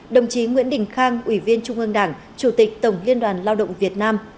đồng chí nguyễn đình khang ủy viên trung ương đảng chủ tịch tổng liên đoàn lao động việt nam